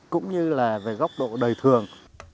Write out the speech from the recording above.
cũng như là về góc độ đời thường